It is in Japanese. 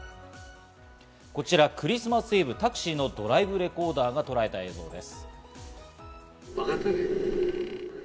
こちらクリスマスイブ、タクシーのドライブレコーダーがとらえた映像です。